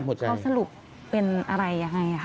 ข้อสรุปเป็นอะไรอย่างไรครับ